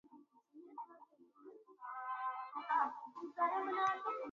There have been some efforts to rebuild.